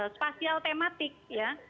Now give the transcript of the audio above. spasial tematik ya